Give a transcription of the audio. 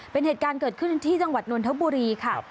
เป็นเหตุการณ์เกิดขึ้นที่จังหวัดนนทบุรีค่ะ